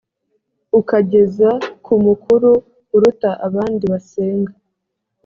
ukageza ku mukuru uruta abandi basenga